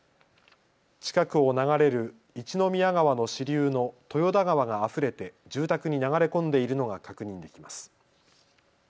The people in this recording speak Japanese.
近くを流れる一宮川の支流の豊田川があふれて住宅に流れ込んでいるのが確認できます。